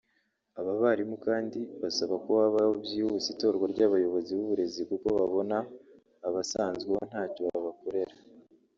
Aba barimu kandi basaba ko habaho byihuse itorwa ry’abayobozi b’uburezi kuko babona abasanzweho ntacyo babakorera